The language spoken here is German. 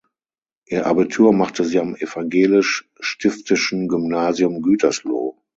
Ihr Abitur machte sie am Evangelisch Stiftischen Gymnasium Gütersloh.